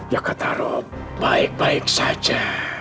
ya kak tarop baik baik saja